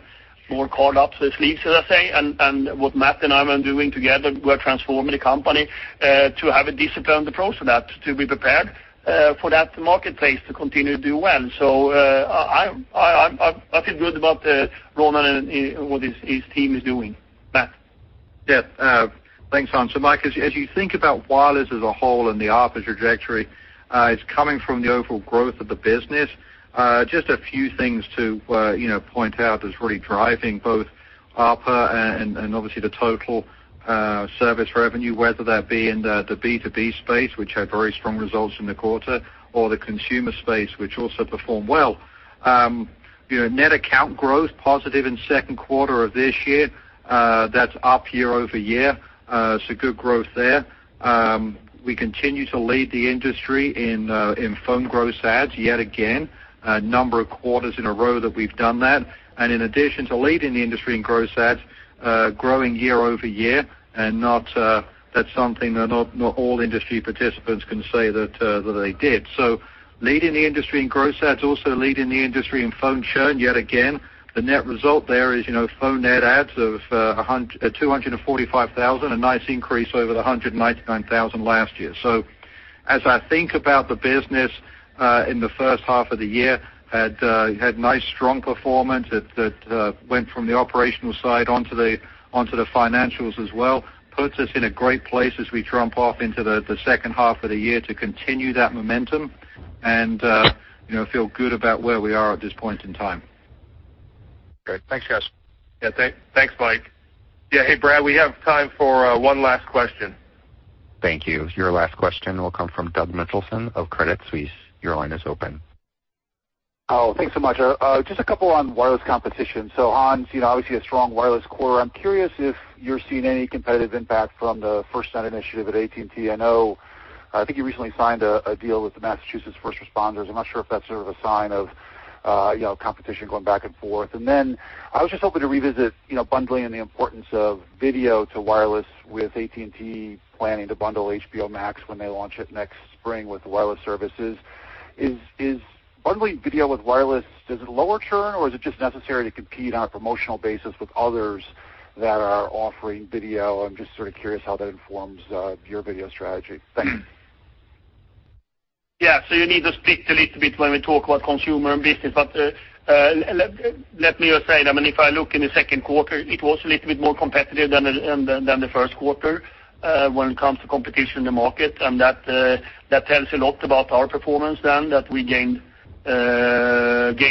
more card up their sleeves, as I say, and what Matt and I are doing together, we're transforming the company to have a disciplined approach for that, to be prepared for that marketplace to continue to do well. I feel good about Ronan and what his team is doing. Matt? Thanks, Hans. Mike, as you think about wireless as a whole and the ARPA trajectory, it's coming from the overall growth of the business. Just a few things to point out that's really driving both ARPA and obviously the total service revenue, whether that be in the B2B space, which had very strong results in the quarter, or the consumer space, which also performed well. Net account growth positive in second quarter of this year. That's up year-over-year. Good growth there. We continue to lead the industry in phone gross adds yet again, a number of quarters in a row that we've done that. In addition to leading the industry in gross adds, growing year-over-year, that's something not all industry participants can say that they did. Leading the industry in gross adds, also leading the industry in phone churn, yet again. The net result there is phone net adds of 245,000, a nice increase over the 199,000 last year. As I think about the business in the first half of the year, had nice strong performance that went from the operational side onto the financials as well, puts us in a great place as we trump off into the second half of the year to continue that momentum and feel good about where we are at this point in time. Great. Thanks, guys. Yeah, thanks, Mike. Hey, Brad, we have time for one last question. Thank you. Your last question will come from Doug Mitchelson of Credit Suisse. Your line is open. Oh, thanks so much. Just a couple on wireless competition. Hans, obviously a strong wireless quarter. I'm curious if you're seeing any competitive impact from the FirstNet initiative at AT&T. I know, I think you recently signed a deal with the Massachusetts first responders. I'm not sure if that's sort of a sign of competition going back and forth. I was just hoping to revisit bundling and the importance of video to wireless with AT&T planning to bundle HBO Max when they launch it next spring with wireless services. Is bundling video with wireless, does it lower churn, or is it just necessary to compete on a promotional basis with others that are offering video? I'm just sort of curious how that informs your video strategy. Thanks. Yeah. You need to split a little bit when we talk about consumer and business. Let me just say that, if I look in the second quarter, it was a little bit more competitive than the first quarter when it comes to competition in the market, and that tells a lot about our performance then, that we gained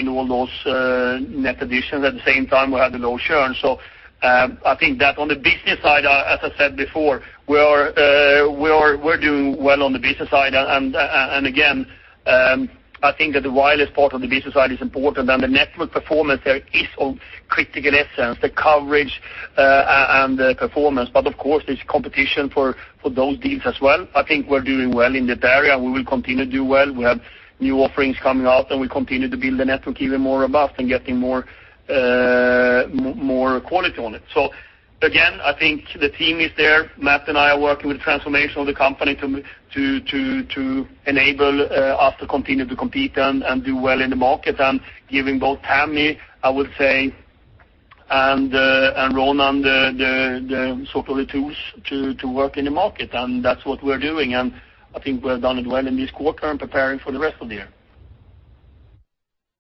all those net additions. At the same time, we had a low churn. I think that on the business side, as I said before, we're doing well on the business side. Again, I think that the wireless part on the business side is important, and the network performance there is of critical essence, the coverage and the performance. Of course, there's competition for those deals as well. I think we're doing well in that area. We will continue to do well. We have new offerings coming out, and we continue to build the network even more above and getting more quality on it. Again, I think the team is there. Matt and I are working with the transformation of the company to enable us to continue to compete and do well in the market and giving both Tami, I would say, and Ronan the sort of the tools to work in the market, and that's what we're doing. I think we have done it well in this quarter and preparing for the rest of the year.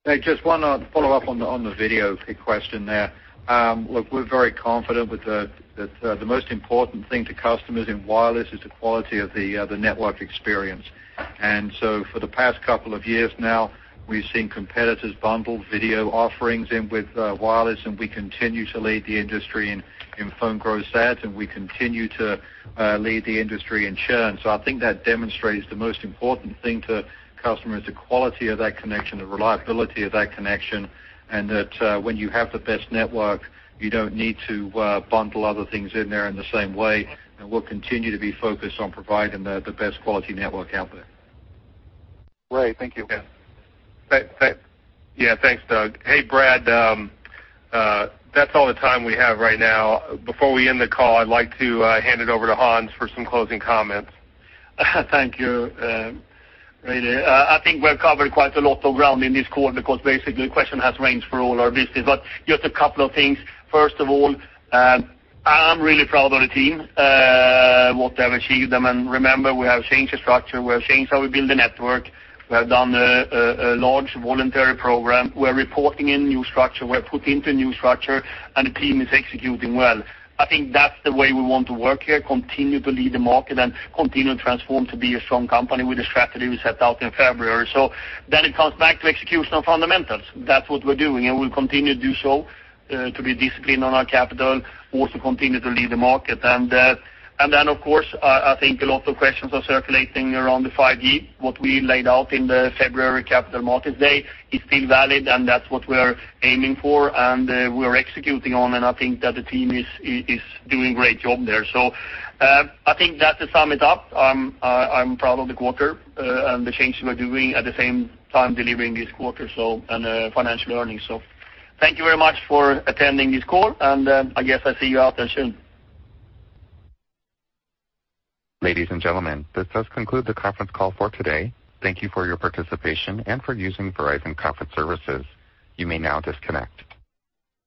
Hey, just one follow-up on the video question there. Look, we're very confident that the most important thing to customers in wireless is the quality of the network experience. For the past couple of years now, we've seen competitors bundle video offerings in with wireless, and we continue to lead the industry in phone gross adds, and we continue to lead the industry in churn. I think that demonstrates the most important thing to customers, the quality of that connection, the reliability of that connection, and that when you have the best network, you don't need to bundle other things in there in the same way. We'll continue to be focused on providing the best quality network out there. Great. Thank you. Yeah. Thanks, Doug. Hey, Brad, that's all the time we have right now. Before we end the call, I'd like to hand it over to Hans for some closing comments. Thank you. Really, I think we've covered quite a lot of ground in this call because basically the question has ranged for all our businesses. Just a couple of things. First of all, I'm really proud of the team, what they've achieved. I mean, remember, we have changed the structure, we have changed how we build the network. We have done a large voluntary program. We're reporting in new structure. We're put into a new structure, and the team is executing well. I think that's the way we want to work here, continue to lead the market and continue to transform to be a strong company with the strategy we set out in February. It comes back to execution of fundamentals. That's what we're doing, and we'll continue to do so, to be disciplined on our capital, also continue to lead the market. Of course, I think a lot of questions are circulating around the 5G. What we laid out in the February Capital Markets Day is still valid, and that's what we're aiming for and we're executing on, and I think that the team is doing a great job there. I think that to sum it up, I'm proud of the quarter and the changes we're doing, at the same time delivering this quarter and the financial earnings. Thank you very much for attending this call, and I guess I'll see you out there soon. Ladies and gentlemen, this does conclude the conference call for today. Thank you for your participation and for using Verizon Conference Services. You may now disconnect.